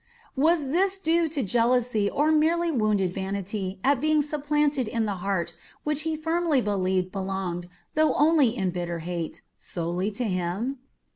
Was this due to jealousy or merely wounded vanity at being supplanted in a heart which he firmly believed belonged, though only in bitter hate, solely to him?